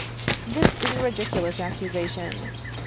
This is a ridiculous accusation.